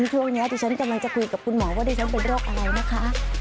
ช่วงนี้ดิฉันกำลังจะคุยกับคุณหมอว่าดิฉันเป็นโรคอะไรนะคะ